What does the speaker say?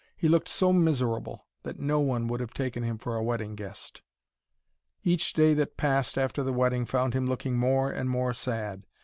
He looked so miserable that no one would have taken him for a wedding guest. Each day that passed after the wedding found him looking more and more sad.